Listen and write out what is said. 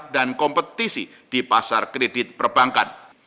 dan kompetisi di pasar kredit perbankan